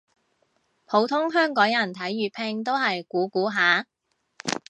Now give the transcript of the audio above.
普通香港人睇粵拼都係估估下